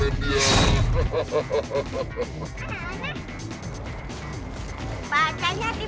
mereka ini dora cs temennya alvin